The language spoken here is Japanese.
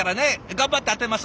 頑張って当てます。